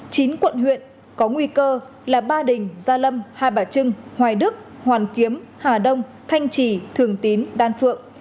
chín quận huyện có nguy cơ là ba đình gia lâm hai bà trưng hoài đức hoàn kiếm hà đông thanh trì thường tín đan phượng